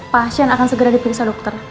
pasien akan segera diperiksa dokter